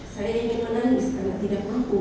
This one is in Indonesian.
saya ingin menangis karena tidak mampu